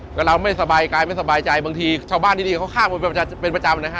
ก็เราไม่สบายกายไม่สบายใจบางทีชาวบ้านดีเขาข้างบนเป็นประจำนะฮะ